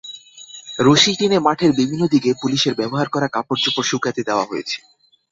রশি টেনে মাঠের বিভিন্ন দিকে পুলিশের ব্যবহার করা কাপড়চোপড় শুকাতে দেওয়া হয়েছে।